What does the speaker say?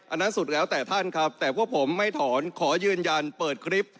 อันนั้นสุดแล้วแต่ท่านครับแต่พวกผมไม่ถอนขอยืนยันเปิดคลิป